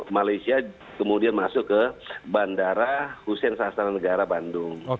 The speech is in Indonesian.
malaysia kemudian masuk ke bandara hussein sastra negara bandung